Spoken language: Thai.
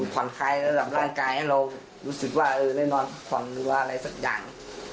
ผ่อนคลายระดับร่างกายให้เรารู้สึกว่าเออได้นอนผ่อนหรือว่าอะไรสักอย่าง